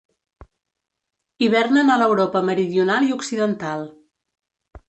Hivernen a l'Europa meridional i occidental.